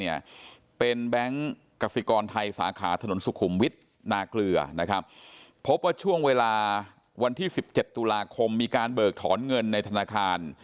มันก็เป็นเหมือนที่ว่าผมอยู่กันใกล้กับความรู้สึกของคุณธวรรณรัฐให้กัน